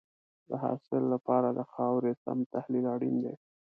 د حاصل لپاره د خاورې سم تحلیل اړین دی.